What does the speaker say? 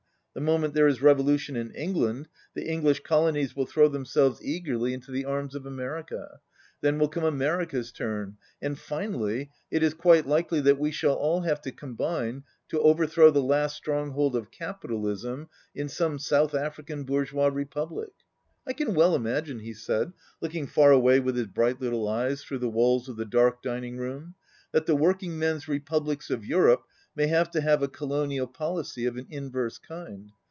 The moment there is revolution in England, the English colonies will throw themselves eagerly 82 into the arms of America. Then will come Amer ica's turn, and, finally, it is quite likely that we shall all have to combine to overthrow the last stronghold of capitalism in some South African bourgeois republic. I can well imagine," he said, looking far away with his bright little eyes through the walls of the dark dining room, "'that the work ing men's republics of Europe may have to have a colonial policy of an inverse kind.